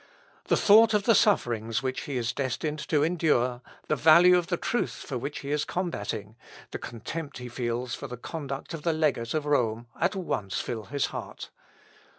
The thought of the sufferings which he is destined to endure, the value of the truth for which he is combating, the contempt he feels for the conduct of the legate of Rome, at once fill his heart.